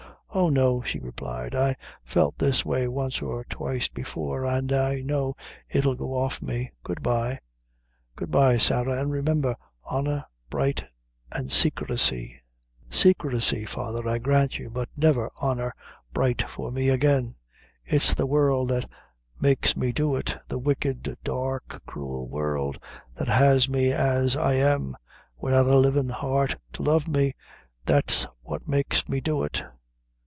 "Oh, no," she replied, "I felt this way once or twice before, an' I know it'll go off me good bye." "Good bye, Sarah, an' remember, honor bright and saicresy." "Saicresy, father, I grant you, but never honor bright for me again. It's the world that makes me do it the wicked, dark, cruel world, that has me as I am, widout a livin' heart to love me that's what makes me do it."